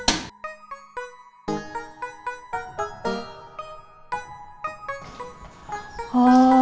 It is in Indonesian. aku ntar tau